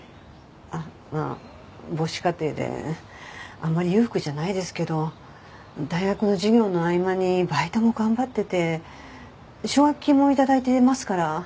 まあ母子家庭であまり裕福じゃないですけど大学の授業の合間にバイトも頑張ってて奨学金も頂いてますから。